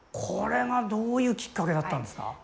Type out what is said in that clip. これがどういうきっかけだったんですか？